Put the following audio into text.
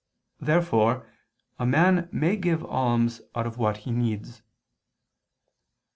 Therefore a man may give alms out of what he needs.